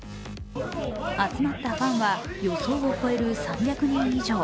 集まったファンは予想を超える３００人以上。